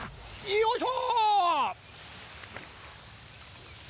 よいしょ。